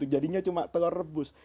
jadinya cuma telur rebus